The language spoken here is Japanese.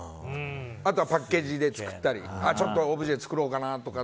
あとはパッケージで作ったりオブジェ作ろうかなとか。